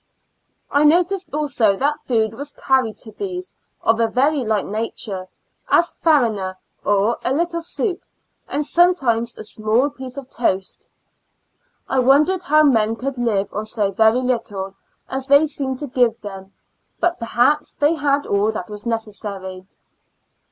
I noticed also that food was carried to these, of a very light nature, as farina or a little soup, and sometimes a IN A Lunatic Asylum. 53 small piece of toast. I wondered how men could live on so very little as they seemed to give them, but perhaps they had all that was necessary.